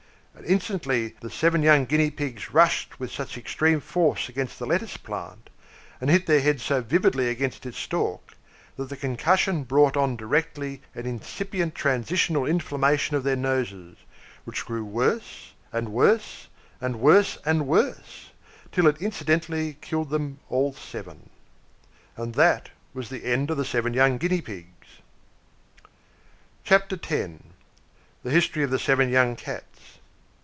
And instantly the seven young Guinea Pigs rushed with such extreme force against the lettuce plant, and hit their heads so vividly against its stalk, that the concussion brought on directly an incipient transitional inflammation of their noses, which grew worse and worse and worse and worse, till it incidentally killed them all seven. And that was the end of the seven young Guinea Pigs. CHAPTER X. THE HISTORY OF THE SEVEN YOUNG CATS.